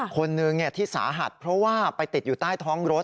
คนหนึ่งที่สาหัสเพราะว่าไปติดอยู่ใต้ท้องรถ